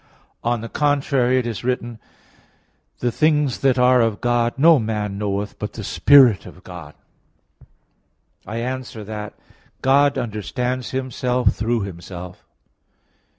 On the contrary, It is written: "The things that are of God no man knoweth, but the Spirit of God" (1 Cor. 2:11). I answer that, God understands Himself through Himself.